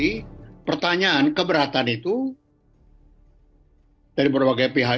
ini berarti pertanyaan keberatan itu dari berbagai pihak